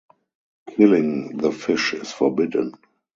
Killing the fish is forbidden.